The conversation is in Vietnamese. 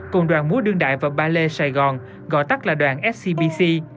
cùng đoàn múa đương đại và ballet sài gòn gọi tắt là đoàn scbc